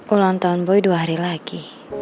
ulang tahun boy dua hari lagi